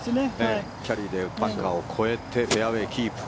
キャリーでバンカーを越えてフェアウェーキープ。